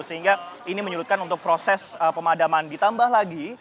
sehingga ini menyulutkan untuk proses pemadaman ditambah lagi